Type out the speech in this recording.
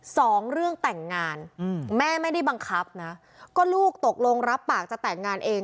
สองเรื่องแต่งงานอืมแม่ไม่ได้บังคับนะก็ลูกตกลงรับปากจะแต่งงานเอง